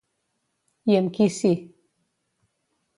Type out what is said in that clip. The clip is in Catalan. I amb qui sí?